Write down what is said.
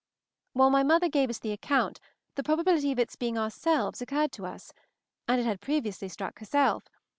While my mother gave us the account, the probability of its being ourselves occurred to us, and it had previously struck herself